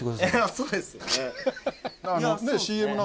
そうですね